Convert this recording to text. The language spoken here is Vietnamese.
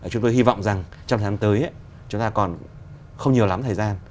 chúng tôi hy vọng rằng trong tháng tới chúng ta còn không nhiều lắm thời gian